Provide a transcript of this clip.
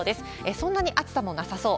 そんなに暑さもなさそう。